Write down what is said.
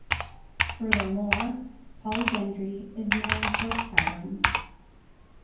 Furthermore, Polydendri is known for its taverns.